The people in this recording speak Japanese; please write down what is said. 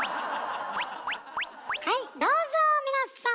はいどうぞ皆さん！